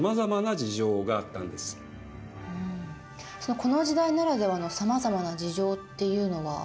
この時代ならではの様々な事情っていうのは。